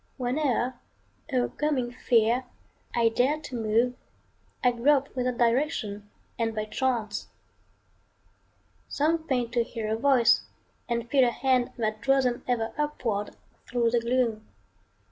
Whene'er, o'ercoming fear, I dare to move, I grope without direction and by chance. Some feign to hear a voice and feel a hand That draws them ever upward thro' the gloom.